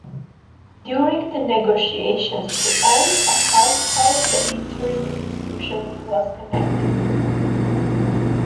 During the negotiations to end apartheid the Interim Constitution was enacted.